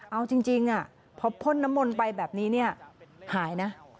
เอาจริงอ่ะเพราะพ่นน้ำมนไปแบบนี้เนี่ยหายนะ